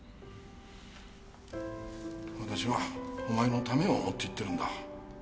わたしはお前のためを思って言ってるんだ。